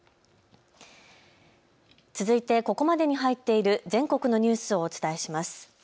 続いてここまでに入っている全国のニュースをお伝えします。